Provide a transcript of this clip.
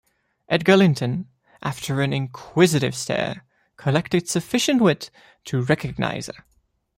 Edgar Linton, after an inquisitive stare, collected sufficient wit to recognise her.